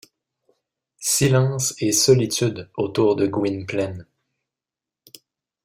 Silence et solitude autour de Gwynplaine.